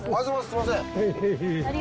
すいません。